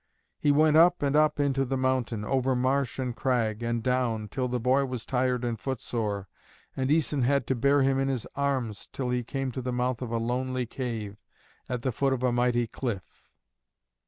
He went up and up into the mountain, over marsh, and crag, and down, till the boy was tired and footsore, and Æson had to bear him in his arms till he came to the mouth of a lonely cave, at the foot of a mighty cliff.